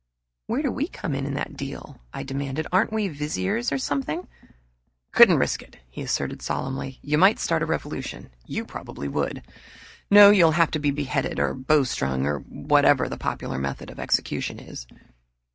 "Where do we come in on that deal?" I demanded. "Aren't we Viziers or anything?" "Couldn't risk it," he asserted solemnly. "You might start a revolution probably would. No, you'll have to be beheaded, or bowstrung or whatever the popular method of execution is."